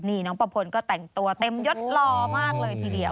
นี่น้องปะพลก็แต่งตัวเต็มยดรอมากเลยทีเดียว